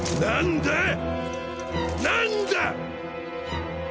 何だ！？